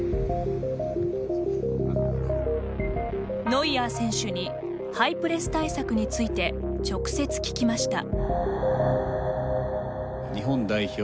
ノイアー選手にハイプレス対策について直接聞きました。